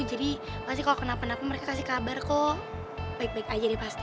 jadi pasti kalo kenapa napa mereka kasih kabar kok baik baik aja deh pasti ya